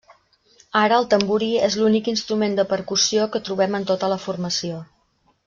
Ara el tamborí és l’únic instrument de percussió que trobem en tota la formació.